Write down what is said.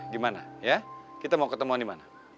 gimana ya kita mau ketemuan dimana